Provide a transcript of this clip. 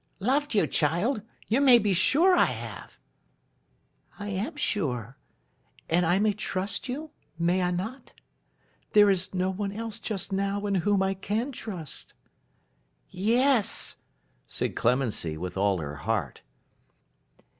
'Loved you, child! You may be sure I have.' 'I am sure. And I may trust you, may I not? There is no one else just now, in whom I can trust.' 'Yes,' said Clemency, with all her heart.